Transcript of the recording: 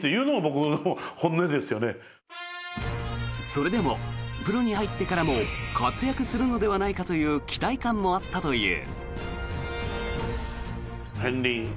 それでも、プロに入ってからも活躍するのではないかという期待感もあったという。